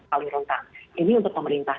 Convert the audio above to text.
paling rentan ini untuk pemerintah